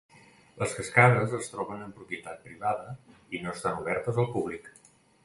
Les cascades es troben en propietat privada i no estan obertes al públic.